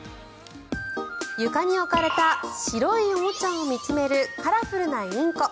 床に置かれた白いおもちゃを見つめるカラフルなインコ。